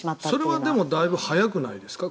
それはだいぶ早くないですか。